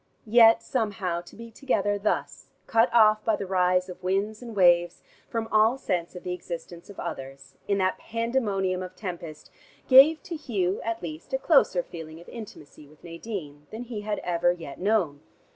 Yet, somehow, to be together thus, cut off by the rise of winds and waves, from all sense of the existence of others, in that pandemonium of tempest, gave to Hugh at least a closer feeling of intimacy with Nadine, than he had ever yet known.